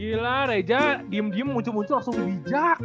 gila reja diem diem muncul muncul langsung bijak